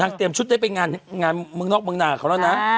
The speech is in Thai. เตรียมชุดได้ไปงานเมืองนอกเมืองนาเขาแล้วนะ